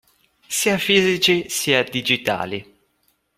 Sia fisici sia digitali